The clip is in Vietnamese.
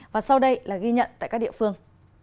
và sau đây là ghi nhận tại các địa phương